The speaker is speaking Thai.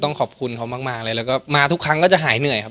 ขอบคุณเขามากเลยแล้วก็มาทุกครั้งก็จะหายเหนื่อยครับ